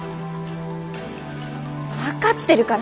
分かってるから！